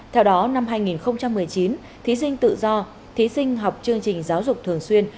theo đó năm hai nghìn một mươi chín thí sinh tự do thí sinh học chương trình giáo dục thường xuyên